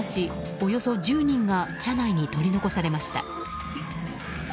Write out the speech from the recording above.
およそ１０人が車内に取り残されました。